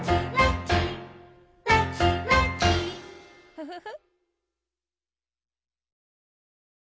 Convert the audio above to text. フフフ。